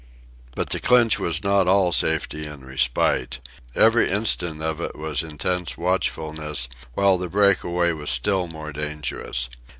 But the clinch was not all safety and respite. Every instant of it was intense watchfulness, while the breakaway was still more dangerous.